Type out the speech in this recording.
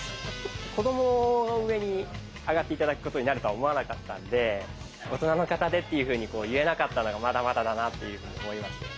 子どもが上にあがって頂くことになるとは思わなかったんで「大人の方で」っていうふうに言えなかったのがまだまだだなっていうふうに思いました。